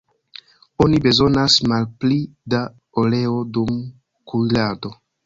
Oni bezonas malpli da oleo dum kuirado.